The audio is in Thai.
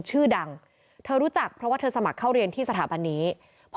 ชื่อดังเธอรู้จักเพราะว่าเธอสมัครเข้าเรียนที่สถาบันนี้พอ